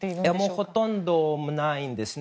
ほとんどないんですね。